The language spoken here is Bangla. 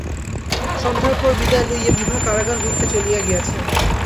সন্ধ্যার পর বিদায় লইয়া বিভা কারাগার হইতে চলিয়া গিয়াছে।